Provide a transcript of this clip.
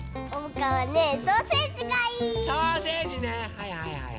はいはいはい。